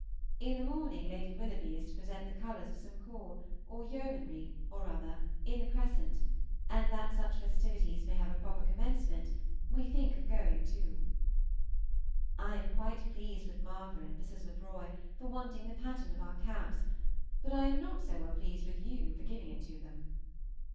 In the morning Lady Willoughby is to present the colors to some corps, or Yeomanry, or other, in the Crescent, and that such festivities may have a proper commencement, we think of going to. ... I am quite pleased with Martha and Mrs. Lefroy for wanting the pattern of our caps, but I am not so well pleased with your giving it to them.